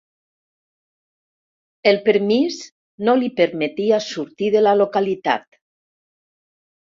El permís no li permetia sortir de la localitat.